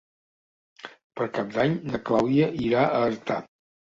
Per Cap d'Any na Clàudia irà a Artà.